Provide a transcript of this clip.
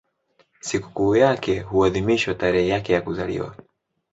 Sikukuu yake huadhimishwa tarehe yake ya kuzaliwa.